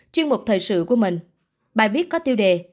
chuyên mục thời sự của mình bài viết có tiêu đề